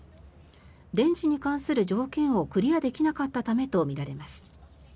電池に関する条件をクリアできなかったためとみられます。